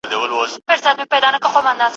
د افشار نادر په نوم څوک را روان دی